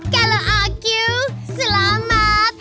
kalau aku selamat